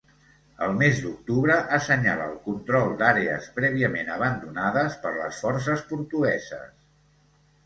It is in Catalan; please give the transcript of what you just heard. El mes d'octubre assenyala el control d'àrees prèviament abandonades per les forces portugueses.